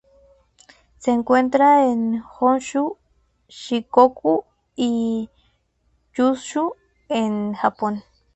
Se encuentra en Honshu, Shikoku y Kyushu, en el Japón.